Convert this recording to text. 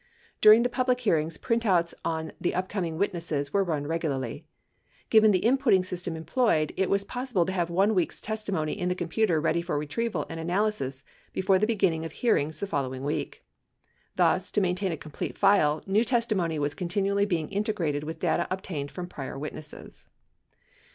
During the public hearings, printouts on the upcoming witnesses were run regularly. Given the inputting system employed, it was pos sible to have one week's testimony in the computer ready for retrieval and analysis before the beginning of hearings the following week. Thus, to maintain a complete file, new testimony was continually being integrated with data obtained from prior witnesses.